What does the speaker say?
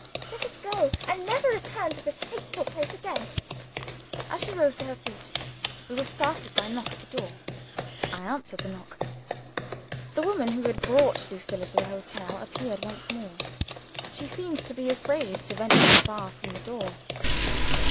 "Let us go and never return to this hateful place again!" As she rose to her feet, we were startled by a soft knock at the door. I answered the knock. The woman who had brought Lucilla to the hotel appeared once more. She seemed to be afraid to venture far from the door.